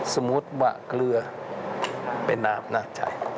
สมมุติว่าเกลือเป็นน้ำน่าใจ